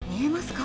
見えますか？